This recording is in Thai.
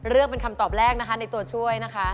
เลือกเป็นคำตอบแรกนะคะในตัวช่วยนะคะ